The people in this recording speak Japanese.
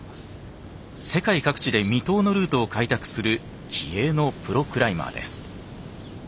世界各地で未踏のルートを開拓する気鋭のプロクライマーです。